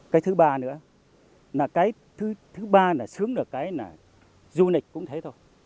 cái thứ ba nữa là cái thứ ba là sướng được cái là du lịch cũng thế thôi